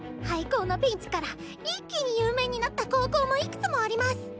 廃校のピンチから一気に有名になった高校もいくつもありマス！